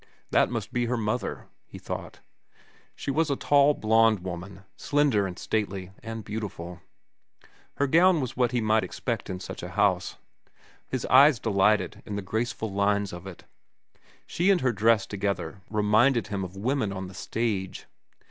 That must be her mother, he thought. She was a tall, blond woman, slender, and stately, and beautiful. Her gown was what he might expect in such a house. His eyes delighted in the graceful lines of it. She and her dress together reminded him of women on the stage.